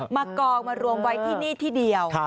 มากองมารวมไว้ที่นี่ที่เดียว